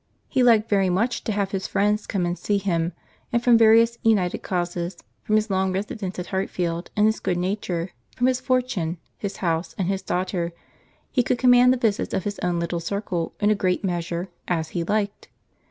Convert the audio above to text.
He liked very much to have his friends come and see him; and from various united causes, from his long residence at Hartfield, and his good nature, from his fortune, his house, and his daughter, he could command the visits of his own little circle, in a great measure, as he liked.